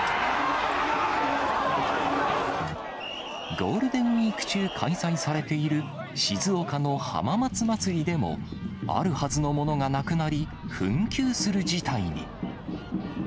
ゴールデンウィーク中、開催されている静岡の浜松まつりでも、あるはずのものがなくなり、紛糾する事態に。